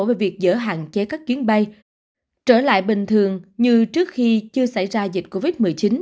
về việc dỡ hạn chế các chuyến bay trở lại bình thường như trước khi chưa xảy ra dịch covid một mươi chín